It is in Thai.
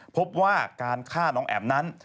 พบว่าการฆ่าน้องแอ๋มนั้น